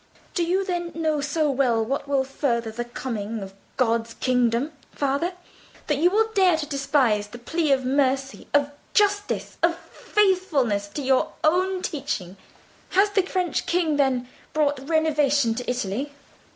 "Do you, then, know so well what will further the coming of God's kingdom, father, that you will dare to despise the plea of mercy—of justice—of faithfulness to your own teaching? Has the French king, then, brought renovation to Italy?